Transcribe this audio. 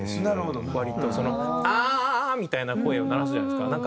割と「アア」みたいな声を鳴らすじゃないですか。